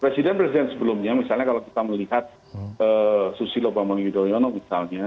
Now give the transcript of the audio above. presiden presiden sebelumnya misalnya kalau kita melihat susilo bambang yudhoyono misalnya